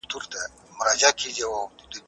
د مسلې تر پېژندلو وروسته فرضیه طرحه کیږي.